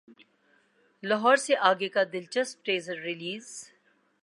لاہور سے اگے کا دلچسپ ٹیزر ریلیز